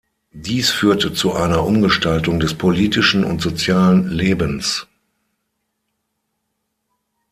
Dies führte zu einer Umgestaltung des politischen und sozialen Lebens.